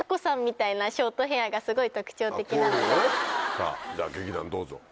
さぁじゃあ劇団どうぞ。